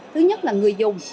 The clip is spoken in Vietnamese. thứ nhất là người dùng